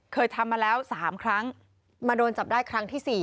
เคยทำมาแล้ว๓ครั้งมาโดนจับได้ครั้งที่๔